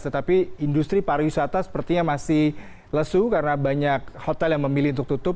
tetapi industri pariwisata sepertinya masih lesu karena banyak hotel yang memilih untuk tutup